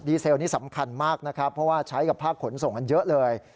เซลนี่สำคัญมากนะครับเพราะว่าใช้กับภาคขนส่งกันเยอะเลย